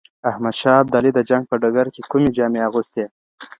احمد شاه ابدالي د جنګ په ډګر کي کومي جامې اغوستې؟